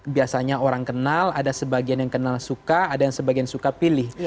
biasanya orang kenal ada sebagian yang kenal suka ada yang sebagian suka pilih